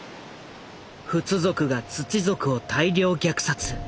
フツ族がツチ族を大量虐殺。